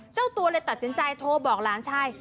เจ้าตัวเลยตัดสินใจโทรบอกหลานชาย